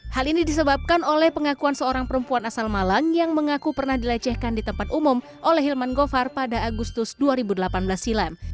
hal ini disebabkan oleh pengakuan seorang perempuan asal malang yang mengaku pernah dilecehkan di tempat umum oleh hilman govar pada agustus dua ribu delapan belas silam